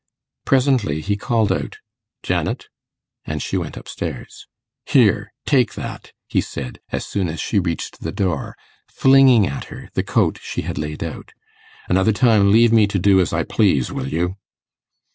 Presently he called out, 'Janet!' and she went up stairs. 'Here! Take that!' he said, as soon as she reached the door, flinging at her the coat she had laid out. 'Another time, leave me to do as I please, will you?